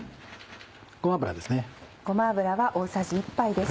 ごま油ですね。